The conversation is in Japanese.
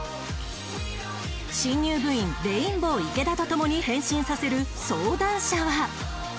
新入部員レインボー池田と共に変身させる相談者は